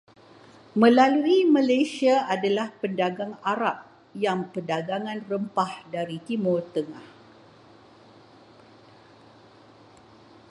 Melalui Malaysia adalah pedagang Arab yang Perdagangan rempah dari Timur Tengah.